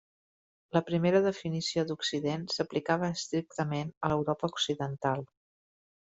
La primera definició d'Occident s'aplicava estrictament a l'Europa Occidental.